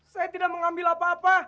saya tidak mengambil apa apa